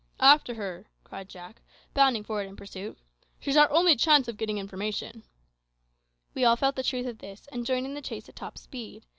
"After her!" cried Jack, bounding forward in pursuit. "She's our only chance of gaining information." We all felt the truth of this, and joined in the chase at top speed.